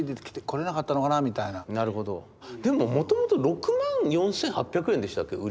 でももともと６万４，８００円でしたっけ売り出した時が。